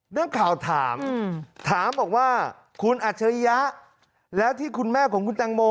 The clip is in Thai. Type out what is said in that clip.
นักข่าวถามถามบอกว่าคุณอัจฉริยะแล้วที่คุณแม่ของคุณแตงโม